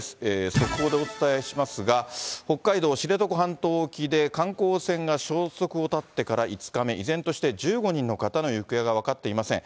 速報でお伝えしますが、北海道知床半島沖で、観光船が消息を絶ってから５日目、依然として１５人の方の行方が分かっていません。